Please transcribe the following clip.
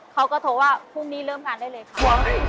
เขาก็โทรว่าพรุ่งนี้เริ่มงานได้เลยค่ะ